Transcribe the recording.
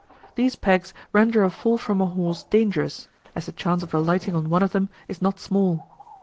These pegs render a fall from a horse dangerous, as the chance of alighting on one of them is not small.